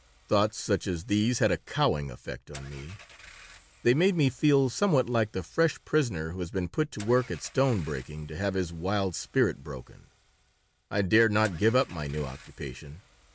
Thoughts such as these had a cowing effect on me. They made me feel somewhat like the fresh prisoner who has been put to work at stone breaking to have his wild spirit broken. I dared not give up my new occupation.